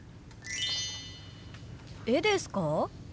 絵ですか？